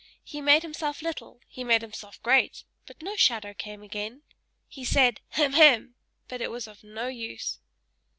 He made himself little; he made himself great: but no shadow came again. He said, "Hem! hem!" but it was of no use.